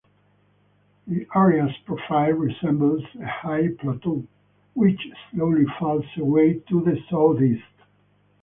The area's profile resembles a high plateau, which slowly falls away to the southeast.